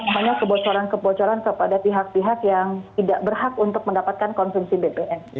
banyak kebocoran kebocoran kepada pihak pihak yang tidak berhak untuk mendapatkan konsumsi bbm